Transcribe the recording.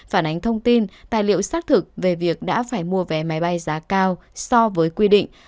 phản ánh thông tin tài liệu xác thực về việc đã phải mua vé máy bay giá cao so với quy định